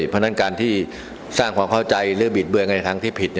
เพราะฉะนั้นการที่สร้างความเข้าใจหรือบิดเบือนในทางที่ผิด